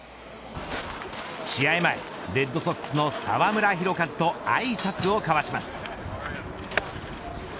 試合前、レッドソックスの澤村拓一とあいさつを交わします。